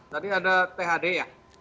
tadi ada thd ya